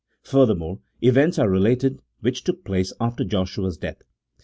Furthermore, events are related which took place after Joshua's death.